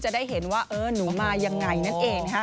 จะได้เห็นว่าเออหนูมายังไงนั่นเองนะคะ